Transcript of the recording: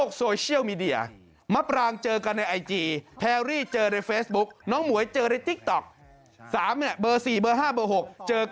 กำลังตั้งท้อง